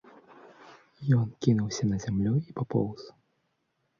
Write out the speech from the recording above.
Ён кінуўся на зямлю і папоўз.